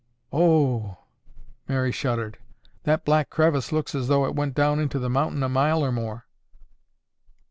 "Oh oo!" Mary shuddered. "That black crevice looks as though it went down into the mountain a mile or more."